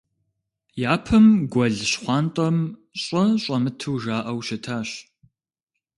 Япэм гуэл Щхъуантӏэм щӏэ щӏэмыту жаӏэу щытащ.